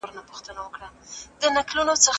قلمان د زده کوونکي له خوا پاک کيږي!.